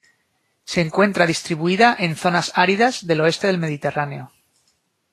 Se encuentra distribuida en zonas áridas del oeste del Mediterráneo.